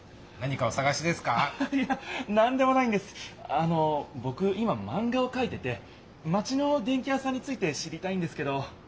あのぼく今マンガをかいててマチの電器屋さんについて知りたいんですけど。